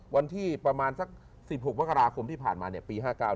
วันที่ประมาณสัก๑๖มกราคมที่ผ่านมาปี๕๙